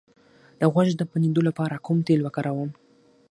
د غوږ د بندیدو لپاره کوم تېل وکاروم؟